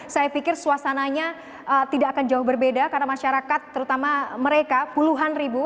saya pikir suasananya tidak akan jauh berbeda karena masyarakat terutama mereka puluhan ribu